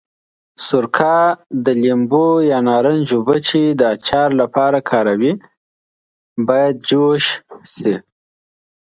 سرکه، د لیمو یا نارنج اوبه چې د اچار لپاره کاروي باید جوش شي.